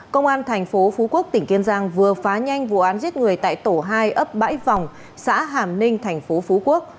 công an tp phú quốc tỉnh kiên giang vừa phá nhanh vụ án giết người tại tổ hai ấp bãi vòng xã hàm ninh tp phú quốc